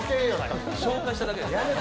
紹介しただけです。